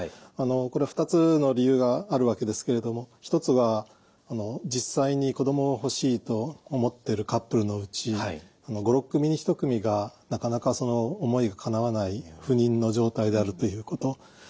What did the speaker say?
これ２つの理由があるわけですけれども一つは実際に子どもを欲しいと思っているカップルのうち５６組に１組がなかなかその思いがかなわない不妊の状態であるということ。